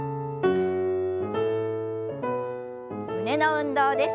胸の運動です。